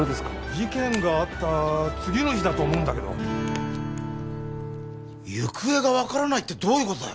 事件があった次の日だと思うけど行方が分からないってどういうことだよ！？